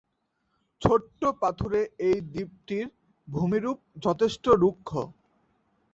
ছোট্ট পাথুরে এই দ্বীপটির ভূমিরূপ যথেষ্ট রুক্ষ।